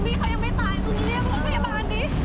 พี่เขายังไม่ตายมึงเรียกรถพยาบาลดิ